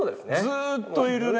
ずーっといるね